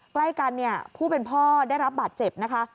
ใกล้กันเนี่ยผู้เป็นพ่อได้รับบาดเจ็บนะคะ